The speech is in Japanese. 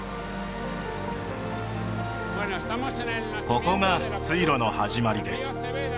ここが水路の始まりです